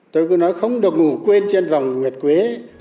tôi cứ nói không được ngủ quên trên vòng nguyệt quế